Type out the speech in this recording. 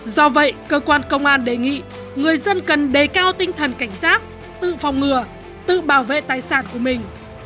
do vậy cơ quan công an đề nghị người dân cần đề cao tinh thần cảnh giác tự phòng ngừa tự bảo vệ tài sản của mình